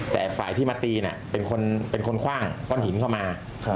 แต่ฝ่ายที่มาตีเป็นคนคว่างก้อนหินเข้ามา